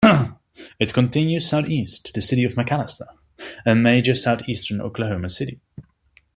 It continues southeast to the city of McAlester, a major southeastern Oklahoma city.